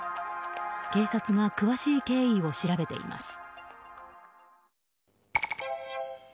警察が詳しい経緯を調べています。